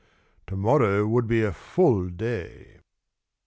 To morrow would be a full day.